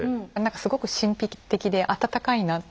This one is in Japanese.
すごく神秘的で温かいなって。